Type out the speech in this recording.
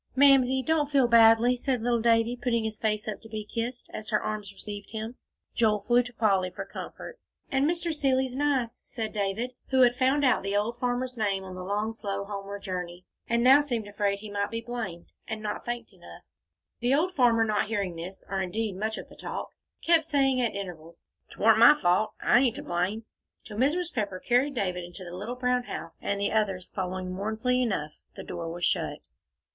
"Mamsie, don't feel badly," said little Davie, putting up his face to be kissed, as her arms received him. Joel flew to Polly for comfort. "And Mr. Seeley's nice," said David, who had found out the old farmer's name on the long, slow, homeward journey, and now seemed afraid he might be blamed, and not thanked enough. The old farmer, not hearing this, or indeed much of the talk, kept saying at intervals, "'Twarn't my fault. I ain't to blame," till Mrs. Pepper carried David into the little brown house, and the others, following mournfully enough, the door was shut.